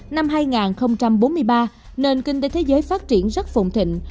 năm hai nghìn bốn mươi ba nền kinh tế thế giới phát triển rất phùng thịnh